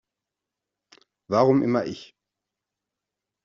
Warum immer ich?